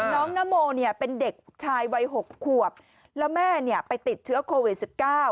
น้องนโมเนี่ยเป็นเด็กชายวัย๖ขวบแล้วแม่ไปติดเชื้อโควิด๑๙